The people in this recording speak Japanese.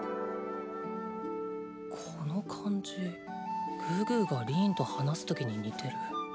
この感じグーグーがリーンと話す時に似てる。